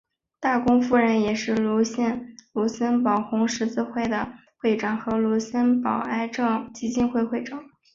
大公夫人也是卢森堡红十字会的会长和卢森堡癌症基金会的会长。